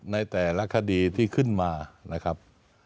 ในแต่ละคดีที่ขึ้นมานะครับ